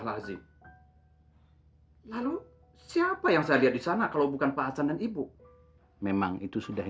hal razi ya lalu siapa yang saya lihat di sana kalau bukan pasangan ibu memang itu sudah